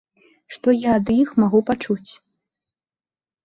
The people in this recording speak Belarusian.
Што я ад іх магу пачуць?